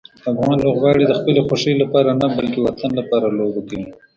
افغان لوبغاړي د خپلې خوښۍ لپاره نه، بلکې د وطن لپاره لوبه کوي.